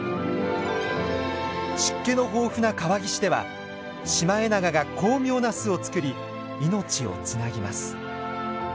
湿気の豊富な川岸ではシマエナガが巧妙な巣を作り命をつなぎます。